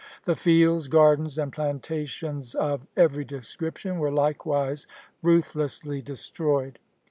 The fields, gardens, and plantations of every description were likewise ruthlessly destroyed.